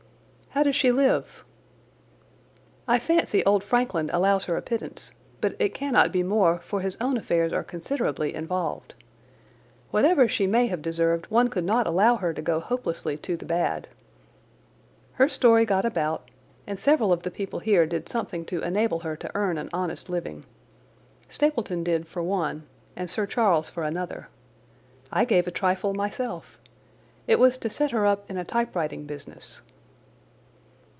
"How does she live?" "I fancy old Frankland allows her a pittance, but it cannot be more, for his own affairs are considerably involved. Whatever she may have deserved one could not allow her to go hopelessly to the bad. Her story got about, and several of the people here did something to enable her to earn an honest living. Stapleton did for one, and Sir Charles for another. I gave a trifle myself. It was to set her up in a typewriting business."